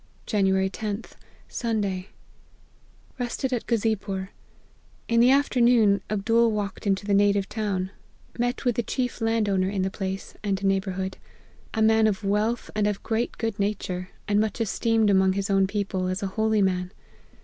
"Jan. 10th. Sunday. Rested at Ghazeepore. In the afternoon, Abdool walked into the native town. Met with the chief land owner in the place 210 APPENDIX. and neighbourhood ; a man of wealth and of great good nature, and much esteemed among his own people, as a holy man.